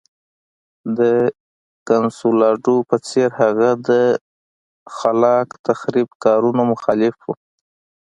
د کنسولاډو په څېر هغه د خلاق تخریب کارونو مخالف و.